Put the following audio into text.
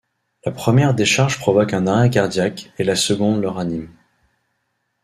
La première décharge provoque un arrêt cardiaque et la seconde le ranime.